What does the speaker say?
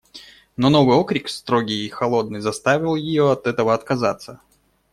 Но новый окрик, строгий и холодный, заставил ее от этого отказаться.